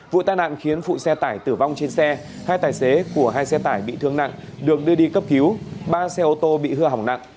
vụ tai nạn khiến phụ xe tải tử vong trên xe hai tài xế của hai xe tải bị thương nặng được đưa đi cấp cứu ba xe ô tô bị hư hỏng nặng